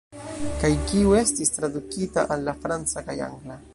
Kaj kiu estis tradukita al la franca kaj angla.